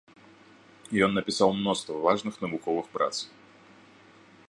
Ён напісаў мноства важных навуковых прац.